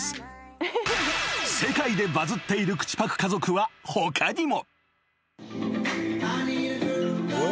［世界でバズっている口パク家族は他にも］